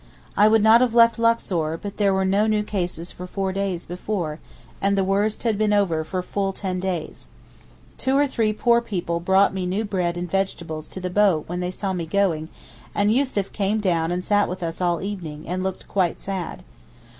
I would not have left Luxor, but there were no new cases for four days before, and the worst had been over for full ten days. Two or three poor people brought me new bread and vegetables to the boat when they saw me going, and Yussuf came down and sat with us all the evening, and looked quite sad.